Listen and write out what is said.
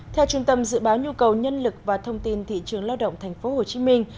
theo trung tâm dự báo nhu cầu nhân lực và thông tin thị trường lao động thành phố hồ chí minh